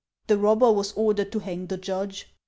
The robber was ordered to hang the judge."